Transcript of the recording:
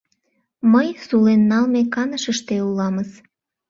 Мый сулен налме канышыште уламыс.